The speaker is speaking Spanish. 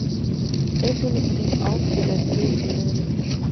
Es un spin-off de la serie El señor de los cielos.